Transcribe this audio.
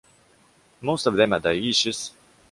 Most of them are dioecious.